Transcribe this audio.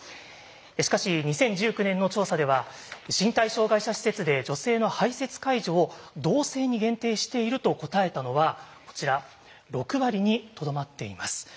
しかし２０１９年の調査では身体障害者施設で女性の排せつ介助を同性に限定していると答えたのはこちら６割にとどまっています。